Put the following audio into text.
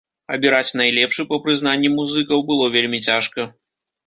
Абіраць найлепшы, па прызнанні музыкаў, было вельмі цяжка.